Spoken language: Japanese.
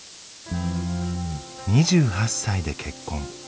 ２８歳で結婚。